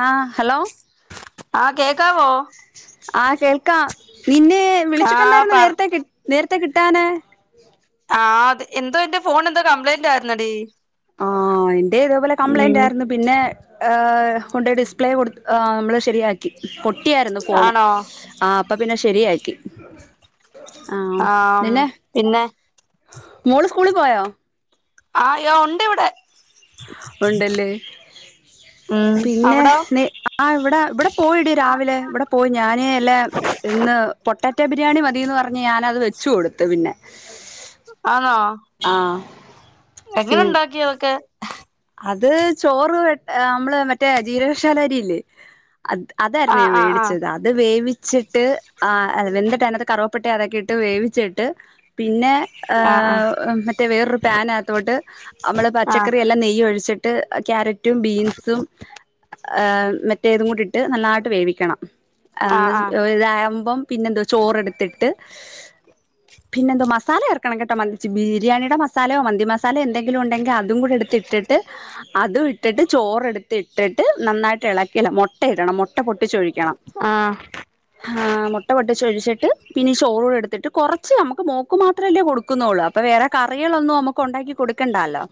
ആഹ hello ആഹ് കേക്കാവോ ആ കേൾക്കാം നിന്നെ വിളിച്ചിട്ട് ആഹ് എന്തായിരുന്നു പറ നേരത്തെ കി- നേരത്തെ കിട്ടാനെ ആഹ് അ എന്തോ എന്റെ ഫോൺ എന്തോ കംപ്ലയിന്റ് ആയിരുന്നടി ആഹ എ്ന്റെ ഇതേപോലെ കംപ്ലൈന്റ് ആയിരുന്നു പിന്നെ ഹ് കൊണ്ട് ഡിസ്പ്ലേ കൊ് നമ്മള് ശരിയാക്കി കിട്ടിയായിരുന്നു ഫോണ് ആണോ ആ അപ്പൊ പിന്നെ ശരിയാക്കി ആഹ ആഹ് പിന്നെ പിന്നെ മോള് സ്കൂളിൽ പോയോ ആയോ ഉണ്ട് ഇവിടെ ഉണ്ടല്ലേ ഉം അവിടോ പിന്നെ ആ ഇവിടെ ഇവിടെ പോയിടി രാവിലെ ഇവിടെ പോയി ഞാന് ഇല്ല ഇന്ന് പൊട്ട ക്കൻ ബിരിയാണി മതിയന്ന് പറഞ്ഞ് ഞാനത് വെച്ച് കൊടുത്ത് പിന്നെ ആന്നോ ആഹ് എങ്ങനെ സിം ഉണ്ടാക്കി അതൊക്കെ അത് ചോറ് വെ നമ്മള് മറ്റേ ജീരകശാല അരിയില്ലേ അത് അതായിരുന്നു ആഹ് ഞാൻ ആഹ് വേടിച്ചത് അത് വേവിച്ചിട്ട് ആ വെന്തിട്ട് അതിനകത്ത് കറ [unintelligible] അതൊക്കെ ഇട്ട്ഇളകിട് വേവിച്ചിട്ട് പിന്നെ ആഹ് മറ്റേ വേറരു പാൻ ആത്തോട്ട് നമ്മള് ആഹ് പച്ചക്കറി എല്ലാം - ഒഴിച്ചിട്ട് ക്യാരറ്റും ബീൻസും ് മറ്റേതും കൂടി ഇട്ട് നല്ലതായിട്ട് വേവിക്കണം ആഹ് അന്ന് ആഹ് ഇതായ്പം പിന്നെ എന്തോ ചോറെടുത്തിട്ട് പിന്നെ എന്തോ മസാല ചേർക്കണം കേട്ടോ മ്മ് ബിരിയാണിയുടെ മസാലയോ മന്തി മസാലയോ എന്തെങ്കിലും ഉണ്ടെങ്കിൽ അതും കൂടെ എടുത്തിട്ട് അതും ഇട്ടിട്ട് ചോറെടുത്ത് ഇട്ടിട്ട് നന്നായിട്ട് ഇളക്കി മുട്ട ഇടണം മുട്ട പൊട്ടിച്ചൊഴിക്കണം ആഹ് മുട്ട പൊട്ടിച്ചൊഴ ട്ട് പിന്നെ ചോറൂട് എടുത്തിട്ട് കുറച്ച് നമുക്ക് മോക്ക് മാത്രമല്ലേ കൊടുക്കുന്നുള്ളൂ അപ്പൊ വേറെ കറികളൊന്നും നമുക്ക് - കൊടുക്കണ്ടാല്ലോ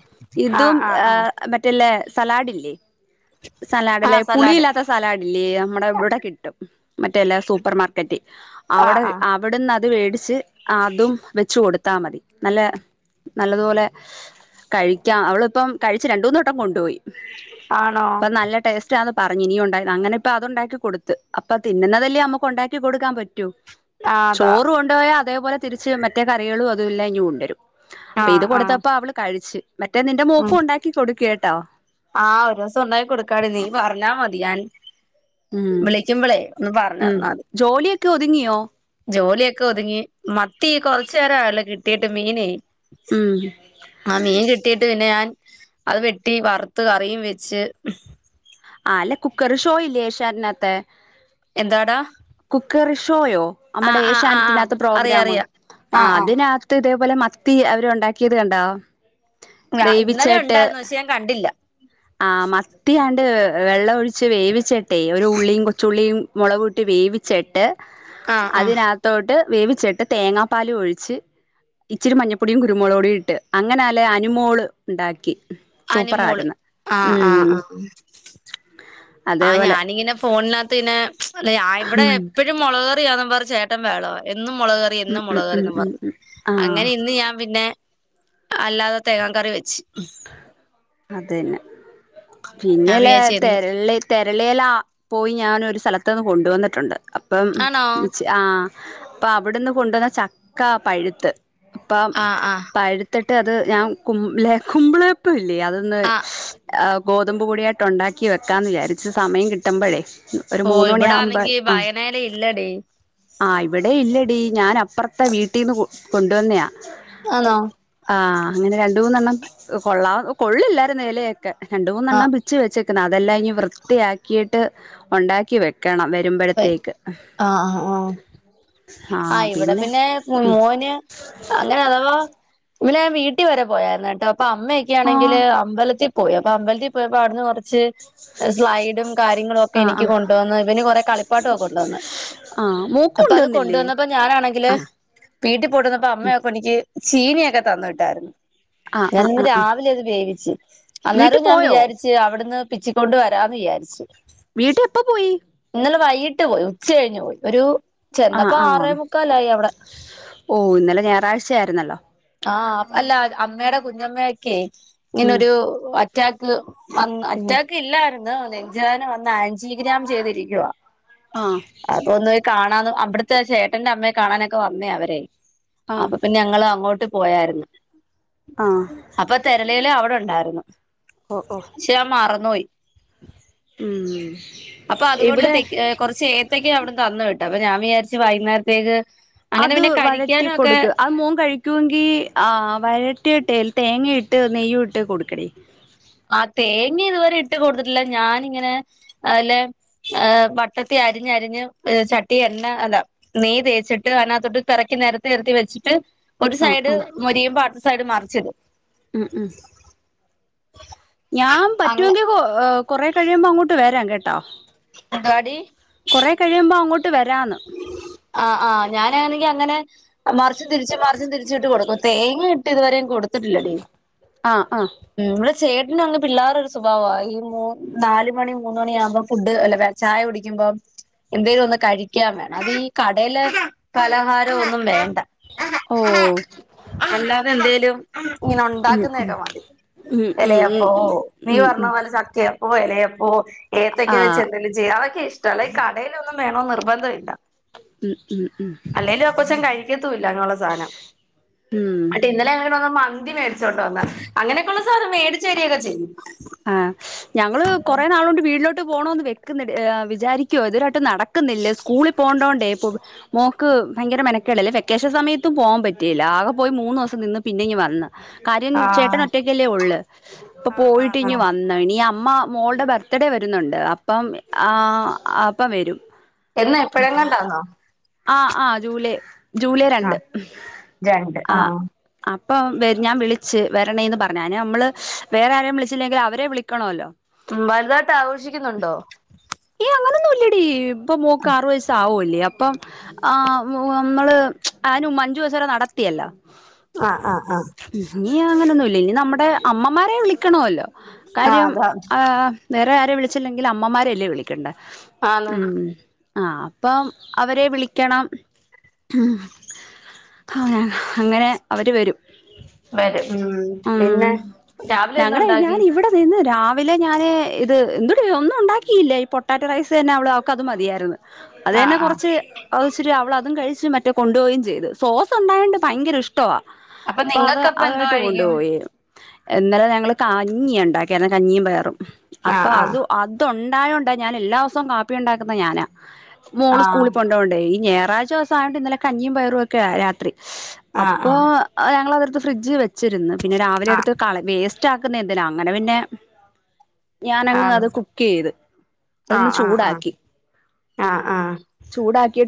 ആ ആ ആഹ മറ്റല്ലേ സലാഡ് ഇല്ലേ സലാഡ് അല്ലേ ആഹ് സലാഡ് പുളില്ലാത്ത സലാഡല്ലേ നമ്മുടെ ഇവിടെ കിട്ടും മറ്റേല്ല സൂപ്പർ മാർക്കറ്റ് ആഹ് അവിടെ ആഹ് അവിടുന്ന് അത് വേടിച്ച് അതും വെച്ച് കൊടുത്ത് താ മതി നല്ല നല്ലതുപോലെ കഴിക്കാം അവളിപ്പം കഴിച്ച് രണ്ട് മൂന്ന് വട്ടം കൊണ്ടുപോയി ആണോ അപ്പ നല്ല ടേസ്റ്റ് ആന്ന് പറഞ്ഞു ഇനിയും ഉണ്ട അങ്ങനെപ്പൊ അത് ഉണ്ടാക്കി കൊടുത്ത് അപ്പൊ തിന്നുന്നതല്ലേ നമുക്ക് ഉണ്ടാക്കി കൊടുക്കാൻ പറ്റും ആഹ് റ്റ അതാ ചോറ് കൊണ്ടുപോയാൽ അതേപോലെ തിരിച്ച് മറ്റേ കറികളും അതും എല്ലാം കൊണ്ടുവരും അപ്പൊ ആഹ് ഇത് ആഹ് കൊടുത്തപ്പോ അവള് കഴിച്ച് മറ്റേ നിന്റെ ഉം മോൾക്കും ഉണ്ടാക്കി കൊടുക്ക് കേട്ടോ ആഹ് ഒരു ദിവസം ഉണ്ടാക്കി കൊടുക്കാടി നീ പറഞ്ഞാ മതി ഞാൻ- ഉം വിളിക്കുമ്പളേ ഒന്ന് പറഞ്ഞ് തന്നാൽ മതി ഒക്കെ ഒതുങ്ങിയോ ജോലിയൊക്കെ ഒതുങ്ങി മത്തി കുറച്ചു നേരം ആയല്ലോ കിട്ടീട്ട് മീനേ ഉം കിട്ടീട്ട് പിന്നെ ഞാൻ അത് വെട്ടി വറുത്ത് കറിയും വെച്ച് ആ അല്ലെ കുക്കർ ഷോ ഇല്ലേ ഏഷൃനറ്റിനകേത്ത എന്താടാ ഷോയോ ആ നമ്മുടെ ആ ആ ആ ഏഷ്യാനെറ്റിനകത്ത് അറിയാം പ്രോഗ്രാം അറിയാം ആ ആഹ് അതിനകത്ത് ഇത് അത് പോലെ മത്തി അവരുണ്ടാക്കിയത് കണ്ടോ ആ ഇന്നലെ വേവിച്ചിട്ട് ഉണ്ടായിരുന്നു പക്ഷെ ഞാൻ കണ്ടില്ല ആ മത്തിയാണ്ട് വെള്ളം ഒഴിച്ച് വേവിച്ചട്ടെ ഒരു ഉള്ളിയും കൊച്ചുള്ളിയും മുളകൂട്ടി വേവിച്ചിട്ട് ആഹ് ആഹ് അതിനകത്തോട്ട് വേവിച്ചിട്ട് തേങ്ങാപ്പാല് ഒഴിച്ച് ഇച്ചിരി മഞ്ഞപ്പൊടിയും കുരുമുളക് പൊടി ഇട്ട് അങ്ങനെ അല്ലേ അനുമോള് ണ്ടാക്കി. സൂപ്പറാര്ന്ന് ആ ആ, ആ ആ അതേപോലെ ഞാനിങ്ങനെ ഫോണിനകത്ത് ഇനെ അല്ല ഇവിടെ ഉം എപ്പോഴും മുളകറിയാണെന്നും പറഞ്ഞ് ചേട്ടൻ ബഹള. എന്നും മുളക്‌ കറി, ഉം എന്നും ഉം മുളക് കറി ഉം ഉം പറഞ്ഞു ഉം ആഹ് അങ്ങനെ ഇന്ന് ഞാൻ പിന്നെ അല്ലാതെ തേങ്ങാ കറി വെച്ച്. അതന്നെ ഞാൻ പിന്നല്ലെ വിചാരിച്ച് എന്നും തെരളി തെരളി എല പോയി ഞാൻ ഒരു സ്ഥലത്തു നിന്ന് കൊണ്ടുവന്നിട്ടുണ്ട് അപ്പം ആണോ ആ അപ്പ അവിടുന്ന് കൊണ്ടുവന്ന ചക്ക പഴുത്ത് അപ്പം ആഹ് ആഹ് പഴുത്ത ട്ട് അത് ഞാൻ കുമ്പിള് കുമ്പിളപ്പമില്ലേ അതൊന്ന് ആഹ് ആ ഗോതമ്പ് പൊടിയായിട്ട് ഉണ്ടാക്കി വെക്കാന്ന് വിചാരിച്ചു, സമയം കിട്ടുമ്പൊഴെ ഒരു ഓ മൂന്ന് മണി ആകുമ്പോ ഇവിടാണെങ്കി ആ വായനയില ഇല്ലടി ആ ഇവിടെ ഇല്ല ഞാൻ അപ്പറത്തെ വീട്ടിന്ന് കൊണ്ടുവന്നയാ. ആണോ ആ, അങ്ങനെ രണ്ടു മൂന്നെണ്ണം കൊള്ളാ കൊള്ളില്ലാരുന്ന് ഇലയൊക്കെ, രണ്ട് ആ മൂന്നെണ്ണം പിച്ചി വെച്ച് അതെല്ലാം ഇനി വൃത്തിയാക്കിയിട്ട് ഉണ്ടാക്കിയെ പറ്റു ഇടണം വരുമ്പോഴത്തേക്ക് ആ ആ ആ ഇവിടെ പിന്നെ ഉം മോന് അങ്ങനെ അഥവാ ഇന്നലെ ഞാൻ വീട്ടിൽ വരെ പോയായിരുന്നു കേട്ടോ അപ്പൊ ആഹ് അമ്മയൊക്കൊണെങ്കില് അമ്പലത്തിൽ പോയി, അപ്പൊ അമ്പലത്തിൽ പോയപ്പോ അവിടുന്ന് കുറ സ്ലൈഡും കാര്യങ്ങളും ഒക്കെ ആഹ് എനിക്ക് ആഹ് കൊണ്ടുവന്ന് ഇവന് കുറെ കളിപ്പാട്ടം പാട്ടൊക്കെ കൊണ്ട്‌ വന്ന്. ആഹ് മൂക്ക് അപ്പൊ അത് കൊണ്ടുവന്നില്ലേ കൊണ്ടുവന്നപ്പോ ഞാനാണെങ്കില് ആഹ് വീട്ടിൽ കൊണ്ടു വന്നപ്പോ അമ്മയൊക്കെ എനിക്ക് ചീനിയൊക്കെ തന്നു വിട്ടായിരുന്നു. ആഹ് ഞാൻ ആഹ് ഇന്ന് ആഹ് ആഹ് രാവിലെ അത് വേവിച്ച് വീട്ടി അന്നേരം ഞാൻ പോയോ വിചാരിച്ച് അവിടുന്ന് പിച്ചിക്കൊണ്ട് വരാന്ന് വിചാരിച്ചു. വീട്ടി എപ്പൊ പോയി? വീട്ടു പോയി ഉച്ച കഴിഞ്ഞ് പോയി ഒരു ആഹ് ചെന്നപ്പോ ആറേ ആഹ് മുക്കാലായി അവിടെ. ഓ ഇന്നലെ ഞായറാഴ്ചയായിരുന്നല്ലോ ആ, അല്ല അമ്മയുടെ കുഞ്ഞമ്മയൊക്കെ ഇങ്ങനെ ഉം ഒരു അറ്റാക്ക് വന്ന് ഓ അറ്റാക്ക് ഇല്ലായിരുന്നു, നെഞ്ച് വേദന വന്ന് ആഞ്ചിയോഗ്രാം ചെയ്തിരിക്കുവ. ആഹ് അതൊന്ന് കാണാന്, അവിടുത്തെ ചേട്ടന്റെ അമ്മയെ കാണാനൊക്കെ വന്നതാ അവര്. ആഹ് അപ്പൊ പിന്ന ഞങ്ങള് അങ്ങോട്ട് പോയാരുന്നു. ആ ഇന്നെലെ അവിടെ ഉണ്ടായിരുന്നു, പക്ഷേ ഞൻ മറന്നുപോയി. ഉം അപ്പൊ അതുകൊണ്ട് ഇവിടെ തേക്ക് കുറച്ചുഏത്തയ്ക്ക അവിടുന്ന് തന്ന് വിട്ടു, അപ്പൊ ഞാൻ വിചാരിച്ചു വൈകുന്നേരത്തേക്ക് അങ്ങനെ അത് പിന്നെ വഴറ്റി കഴിക്കാനും ഒക്കെ കൊടുക്ക്, അത് മോൻ കഴിക്കുമെങ്കിൽ ആ വഴറ്റിയിട്ടേ തേങ്ങ ഇട്ട് ഇട്ട് നെയ്യ് ഇട്ട് കൊടുക്കടി. ആ തേങ്ങ ഇതുവരെ ഇട്ട് കൊടുത്തിട്ടില്ല ഞാനിങ്ങനെ നല്ലെ വട്ടത്തി അരിഞ്ഞരിഞ്ഞ് ചട്ടി എണ്ണ, അതാ നെയ്യ് തേച്ചിട്ട് അതിനകത്തൊട്ട് പെറക്കി നേരത്തി നെരത്തി വെച്ചിട്ട് ഒരു ആ സൈഡ് ആ മൊരിയുമ്പൊ അടുത്ത സൈഡ് മറിച്ചിട് ഉം ഉം ഞാൻ അങ്ങ പറ്റുമെങ്കിൽ കൊറെ കഴിയുമ്പോ അങ്ങോട്ട് വരാം കേട്ടോ. എന്താടി കൊറെ കഴിയുമ്പോ അങ്ങോട്ട് വരാന്ന് ആ, ആ ഞാനാണെങ്കിൽ അങ്ങനെ മറച്ചും, തിരിച്ച്, മറിച്ചും തിരിച്ച് ഇട്ട് കൊടുക്കും, തേങ്ങ ഇട്ട് ഇതുവരെ കൊടു കൊടുത്തിട്ടില്ല ആ ആ ചേട്ടന് അങ്ങ് പിള്ളേരുടെ ഒരു സ്വഭാവ വാ, ഈ നാല് മണി മൂന്ന് മണി ആകുമ്പോം ഫുഡ് അല്ല ചായ കുടിക്കും എന്തേലും ഒന്ന് കഴിക്കൻ വേണം അത് ഈ കടേലെ പലഹാരം ഒന്നും വേണ്ട. ഓ അല്ലാതെ എന്തേലും ഇങ്ങനെ ഉം ഉണ്ടാക്കുന്ന ഉം കേക്കോ മതി ഉം അല്ലേ ഉം അപ്പൊ ഉം ഓ നീ ഉം പറഞ്ഞ ഉം പോലെ സത്യം ഓ എലയപ്പം ഓ ഏത്തൊക്കെ ആ വെച്ച് എന്തെലും ചെയ്യും അതൊക്കെ ഇഷ്ട അല്ല ഈ കടയിലൊന്നും വേണോ നിർബന്ധം ഇില്ല ഉം ഉം ഉം ത്തൂല ഞങ്ങളെ സാനം ഉം ഇങ്ങട്ട് ഇന്നലെ [unintelligible] മ ന്തി മേടിച്ചോണ്ട് വന്ന് അങ്ങനെക്കൊള്ള സാനം മേടച്ച് വരിയൊക്കെ ചെയ്യും ട്ട് പോണോന്ന് വെക്ക്ന്ന്ണ്ട് ഏ വിചാരിക്കും ഇതുവരായിട്ട് നടക്കുന്നില്ലേ സ്കൂളി പോണ്ടോ ണ്ടെ മോക്ക് ഭയങ്കര മെനക്കേട ല്ലേ വെക്കേഷൻ സമയത്തും പോവാൻ പറ്റില്ല ആകെ പോയി മൂന്നോസം നിന്ന് പിന്നെ ങ്ങ് വന്ന് കാര്യം ചേട്ടൻ ആഹ് ഒറ്റക്കല്ലേ ഒള്ള് പ്പൊ ആഹ് ആഹ് പോയിട്ടിങ്ങ് ആഹ് വന്ന് ഇനി അമ്മ മോള്ടെ ബർത്ത്ഡേ വരുന്നുണ്ട് അപ്പം ആ അപ്പം വരും എന്നാ എപ്പഴെങ്ങാണ്ടാന്നോ ആ ആ ജൂലൈ ജൂലൈ രണ്ട് ആഹ് രണ്ട് ആ ആഹ് ഇപ്പം വെര് ഞാൻ വിളിച്ച് വരണേന്ന് പർഞ്ഞ് അയ്ന് നമ്മള് വേറെ ആരേലും വിളിച്ചില്ലെങ്കിലും അവരെ വിളിക്കണോല്ലോ ഉം വലുതായിട്ടാഘോഷിക്കുന്നുണ്ടോ അങ്ങനൊന്നുല്ലടി ഇപ്പം മോക്ക് ആറ് വയസവോ ല്ലേ അപ്പം ആ മോ നമ്മള് അനും അഞ്ചു വയസരെ നടത്തിയല്ലോ ആ ആ ആ ഇനി അങ്ങനൊന്നുംല്ല ഇനി നമ്മടെ അമ്മമാരെ വിളിക്കണല്ലോ ആഹ് കാര്യം അതാ ഏ വറെ വിളിച്ചില്ലെങ്കിലും അമ്മമാരെല്ലേ വിളിക്കണ്ടേ ആന്ന് ഉം ആ അപ്പം അവരെ വിളിക്കണം ഹ അങ്ങനെ അവര് വരും വരും ഉം പിന്നെ രാവിലെന്തുണ്ടാക്കി ന്ന് രാവിലെ ഞാന് ഇത് എന്തുട ഒന്നുണ്ടാക്കില്ല ഈ പൊട്ടാറ്റോ റൈസെന്നെ അവള് അവക്കത് മതിയായി ര്ന്നു അത് ന്നെ ആഹ് ആഹ് കൊറച്ച് അഅ്ച്ചിരി അവള അതും കഴിച്ച് മറ്റേ കൊണ്ടോയിൻ ചെയ്ത് സോസ്ണ്ടായോണ്ട് ഭയങ്കര ഇഷ് ട്ടാ അപ്പൊ അത് നിങ്ങക്കപ്പ എന്തോ അതായിട്ട് കൊണ്ട് കഴിക്കും പോയി ഇന്നലെ ഞങ്ങള് കഞ്ഞ്യാണ്ടാക്ക്യേ കഞ്ഞിയും പയറും അപ്പൊ ആഹ് ആഹ് അത് അതൊ ണ്ടായോണ്ട ഞാൻ എല്ലാ സും കാപ്പി ണ്ടാക്കുന്ന ഞാനാ മോള് സ്കൂളി ആഹ് കൊണ്ടോ വണ്ടേ ഈ ഞ റാഴ്ച ദിവസയൊണ്ട് ഇന്നലെ കഞ്ഞിയും പയറും ഒക്കെ ആ രാത്രി ആഹ് അപ്പൊ ആഹ് ഞങ്ങളൾ അത് [unintelligible] ഫ്രിഡ്ജില് വെ ച്ചിരുന്ന് പിന്നെ രാവിലെ ആഹ് ടുത്ത് കള വേസ്റ്റാക്കുന്ന എന്തിനാ അങ്ങനെ പിന്നെ ഞാനങ്ങ് ആണ് അത് കുക്കെയ്ത് അതൊന്ന് ചൂടാക്കി ആ ആ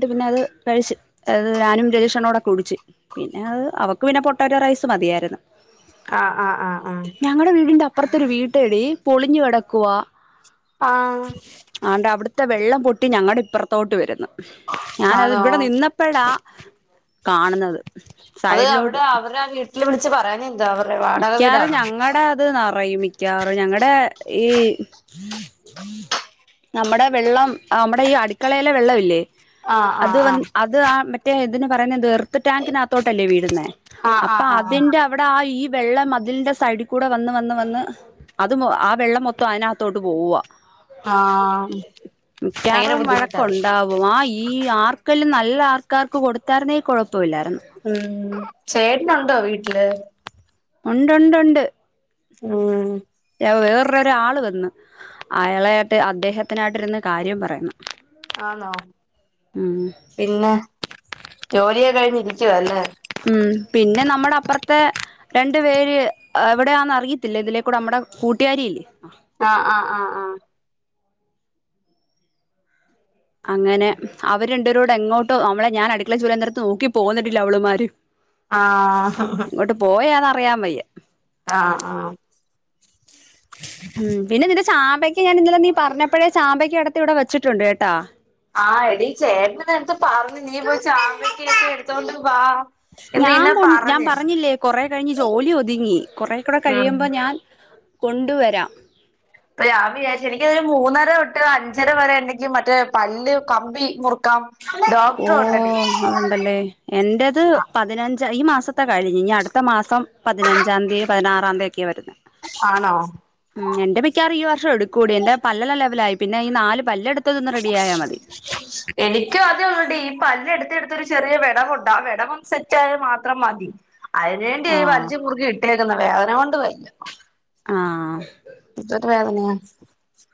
ട്ട് പിന്നെ അത് കഴിച്ച് അത് ഞാനും രജേഷണ്ണോടും കുടിച്ച് പിന്നെ അഅ് അവക്ക് പിന്നെ പൊട്ടറ്റ റൈസ് മതിയായിരുന്നു ആ ആ ആ ആ ഇതിൻ്റപ്പർത്തൊരു അപ്പുറത്തൊരു വീട്ടടി പൊളിഞ്ഞു കെടക്കുവ ആഹ് ആണ്ടേ അവട്ത്തെ വെള്ളം പൊട്ടി ഞങ്ങടെ ഇപ്പർത്തോട്ട് വര്ന്ന് ഞാനത് ആണോ ഇവടെ നിന്നപ്പഴാ കാണുന്നത് അത് അവിടെ സൈഡിലോട്ട് അവരെ ആ വീട്ടില് വിളിച്ച് പറയാഞ്ഞെന്താ അവരുടെ വാടക മിക്കാറും വീടാണോ ഞങ്ങടെ ത് നറയും മിക്കാവാറും ഞങ്ങടെ ഈ നമ്മടെ വെള്ളം നമ്മടെ ഈ അട്ക്കളയിലെ വെള്ളയില്ലേ ആഹ് അത് ആഹ് അത് ആ മറ്റേ ഇതിന് പറയുന്ന ന്തുവാ എർത്ത് ടാങ്കിനകത്തോട്ടല്ലേ വീഴ്ന്നെ ആഹ് അപ്പൊ ആഹ് ആഹ് ആഹ് ആഹ് അതിന്റെ അവടെ ആ ഈ വെള്ളം മതിലിന്റെ സൈഡികൂടെ വന്ന് വന്ന് വന്ന് അത് ആ വെള്ളം മൊത്തം അയിനഅത്തോട്ട് പോവാ ആഹ് ഭയങ്കര മിക്കറും ബുദ്ധിമുട്ടാത് വഴക്കുണ്ടാവും ആ ഈ ആർക്കെല്ലും ന ല്ല ആർക്കാർക്ക് കൊട്ത്തായ്ര്ന്നേ കൊഴ ഉം ചേട്ടനുണ്ടോ വീട്ടില് ഉണ്ടു ണ്ടു ണ്ട് ആ വേറൊരാൾ വന്ന് അയാളായിട്ട് അദ്ദേഹത്തിനായിട്ട് ര്ന്ന് കാര്യം പറയുന്നു ആന്നോ ഉം പിന്നെ ജോലിയെകഴിഞ്ഞിരിക്കല്ലേ ഉം പിന്നെ നമ്മടെ അപ്പർത്തെ രണ്ടു പേര് എവടെയാന്ന് അറിയത്തില്ല ഇതിലേക്കൂടെ നമ്മടെ കൂട്ടുകാരിയില്ലേ അ ആ ആ ആ ആ അങ്ങനെ അവരുണ്ടവരോട് എങ്ങോട്ടോ നമ്മളെ ഞാൻ അടുക്കളേ ചുര നേരത്ത് നോക്കി, പോകന്നിട്ടില്ല അവള്മാര് ആ പറയാൻ വയ്യ ആ ആ ഉം പിന്നെ നിന്റെ ചാമ്പയ്ക്ക് ഞാൻ ഇന്നലെ നീ പറഞ്ഞപ്പോഴേ ചാമ്പയ്ക് അടർത്തി ഇവിടെ വച്ചിട്ടുണ്ട് കേട്ടാ. ആ എടീ ചേട്ട നേടുത്ത് പറഞ്ഞ് നീ പോയി ചാമ്പക്കൊക്കെ എടുത്തോണ്ട് വാ എന്ന് ഞാൻ നിന്നെ കൊൺ ഞാൻ പറഞ്ഞ് പറഞ്ഞില്ലേ കൊറെ കഴിഞ്ഞ് ജോലി ഒതുങ്ങി കൊറെ കൂടെ ഉം കഴിയുമ്പോ ഞാൻ കൊണ്ടുവരാം അപ്പൊ ഞാ വിചാരിച്ച എനിക്കരു മൂന്നര ഇട്ട് അഞ്ചര വരെ എനക്ക് മറ്റേ പല്ല് കമ്പി മുറുക്കാം ഓ ഡോക്ടർ ഉണ്ടെടി അതുണ്ടല്ലേ എൻന്റത് പതിനഞ്ച് ഈ മാസത്തെ കഴിഞ്ഞ്. ഇനി അടുത്ത മാസം പതിനഞ്ചാം തീയതി പതിനാറാം തീയതി ഒക്കെ വരുന്നേ. ആണോ ഉം എന്റെ മിക്ക വാറൂം ഈ വർ ഷം എടുക്കൂടി, എന്റെ പല്ലെല്ലാം ലെവലായി പിന്നെ ഈ നാല് പല്ലടുത്ത് എനിക്കും അതൊള്ളുടി പല്ല് എടുത്ത് എടുത്തൊരു ചെറിയ വിടവുണ്ട് ആ വിടവും ഒന്ന് സെറ്റ ആയാൽ മാത്രം മതി. അതിനുവേണ്ടി ഈ ആഹ് വലിച്ചി മുറുകി ഇട്ടേക്കുന്നേ, വേദന കൊണ്ട് വയ്യാ ആ ഇട്ടിട്ട് വേദനയ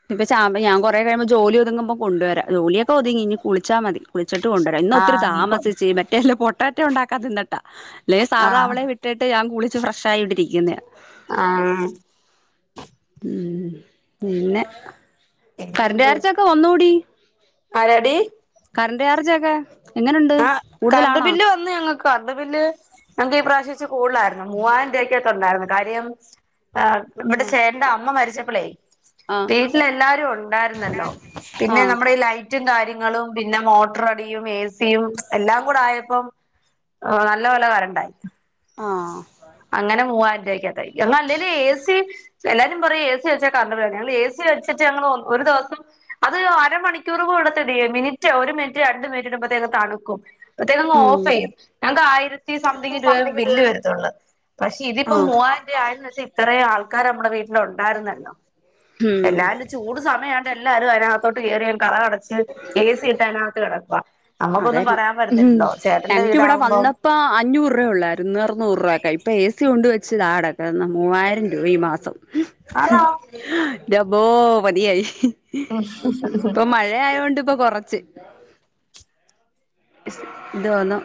ഇനിപ്പ ചാമ്പ കുറെ കഴുമ്പോ ജോലി ഒതുങ്ങുമ്പോ കൊണ്ടുവരാ, ജോലിയ ഒക്കെ ഒതുങ്ങി ഇനി കുളിച്ചാൽ മതി. ഉച്ചിട്ട് കൊണ്ടുവരാം ഇന്ന് ഒത്തിരി ആഹ് നീ ഇപ്പൊ താമസിച്ച് മറ്റേല പൊട്ടറ്റ ഉണ്ടാക്കാത്തെന്ന അല്ലെ സാധാ ആഹ് അവളെ വിട്ടിട്ട് ഞാൻ കുളിച്ച് ഫ്രഷ് ആയിവിടെ രിക്കുന്നേ. ആ ഉം പിന്നെ കറന്റ് പിന്നെന്തുവാ ചാർജ് ഒക്കെ വന്നോടി, ആരാടി കറണ്ട് ചാർജ് ഒക്കെ എങ്ങനുണ്ട് ആഹ് കൂടുതലാണോ വന്ന് കറണ്ട് ബില്ല് ഞങ്ങൾക്ക് ഇ പ്രാവശ്യച്ച് കൂടുലായിരുന്നു, മൂവായിരം രൂപക്കക്കത്ത് ഉണ്ടായിരുന്നു. കാര്യം ആ് നമ്മടെ ആഹ് ചേട്ടന്റെ അമ്മ മരിച്ചപ്പളേ ആഹ് വീട്ടിൽ എല്ലാരും ഉണ്ടായിരുന്നല്ലോ. പിന്നെ ആഹ് നമ്മുടെ ഈ ലൈറ്റും കാര്യങ്ങള ങ്ങളും പിന്നെ മോട്ടറടിയും ഏ സി യും എല്ലാം കൂടായ അപ്പം നല്ലപോലെ കരണ്ടായി. ആ അങ്ങനെ മൂവായിരം രൂപക്കകത്തായി. എന്ന അല്ലെലും എ സി എല്ലാരും പറയും എ സി വെച്ചാൽ കരണ്ട വര ഞങ്ങൾ എ സി വെച്ചിട്ട് ഞങ്ങൾ ഒരു ദിവസം അത് അരമണിക്കൂർ [unintelligible] മിനിറ്റ് ഒരു മിനിറ്റ് രണ്ട് മിനിറ്റ് ഇടുമ്പോഴത്തേക് തണുക്കും ട്ടങ്ങു ഓഫ് ഉം ചെയ്യും ഞങ്ങൾക്ക് ആയിരത്തി സംതിങ്ങ് രൂപ ബില്ല് വരത്തുള്ളൂ. പക്ഷെ ഇതിപ്പോ ആഹ് മൂവായിരയ ആയന്ന് വെച്ചാ ഇത്രയും ആൾക്കാർ നമ്മടെ വീട്ടിൽ ഉണ്ടായിരൂല്ലോ ഉം എല്ലാരും ചൂട് സമയ എല്ലാരും അതിനകത്തോട്ട് കേറി അ ങ്ങ് കതക് അടച്ച് എസി ഇട്ട് അതിനകത്ത് കിടക്കുക. നമുക്കൊന്നും പറയാൻ പറ്റത്തില്ലല്ലോ ചേട്ടന്റെ വീടാകുമ്പോ ന്ന്എപ്പ അഞ്ഞൂറ് രൂപുള്ളള്ളായിരുന്ന് അറുന്നൂറ് രൂപക്കെ ഇപ്പൊ എ സി കൊണ്ട് വെച്ച് താടക്ക്ന്നു മൂവായിരം രൂപ ഈ മാസം ആന്നോ ഇന്റമ്മോ മതിയായി. മയ [inaudible] ആയൊണ്ട് ഇപ്പൊ കൊറച്ച് ത് വന്നു